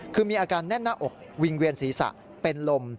คือมีอาการแน่นหน้าอกวิงเวียนศีรษะเป็นลม